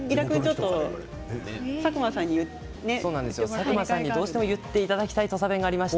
佐久間さんにどうしても言っていただきたい土佐弁があります。